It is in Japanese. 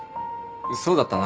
そうだったな。